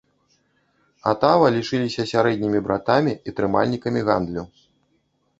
Атава лічыліся сярэднімі братамі і трымальнікамі гандлю.